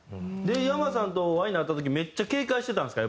ｙａｍａさんとお会いになった時めっちゃ警戒してたんですか？